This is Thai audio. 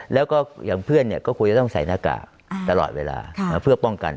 แล้วก็อย่างเพื่อนก็ควรจะต้องใส่หน้ากากตลอดเวลาเพื่อป้องกัน